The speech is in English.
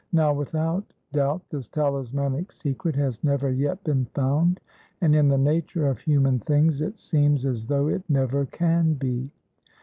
Now without doubt this Talismanic Secret has never yet been found; and in the nature of human things it seems as though it never can be.